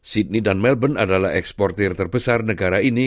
sidney dan melban adalah exportir terbesar negara ini